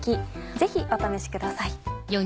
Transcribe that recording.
ぜひお試しください。